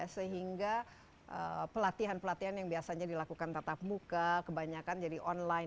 sehingga pelatihan pelatihan yang biasanya dilakukan tatap muka kebanyakan jadi online